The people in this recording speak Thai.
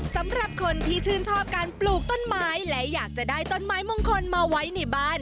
สำหรับคนที่ชื่นชอบการปลูกต้นไม้และอยากจะได้ต้นไม้มงคลมาไว้ในบ้าน